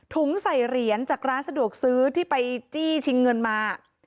ใส่เหรียญจากร้านสะดวกซื้อที่ไปจี้ชิงเงินมา